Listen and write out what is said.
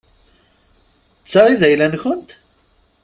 D ta i d ayla-nkent?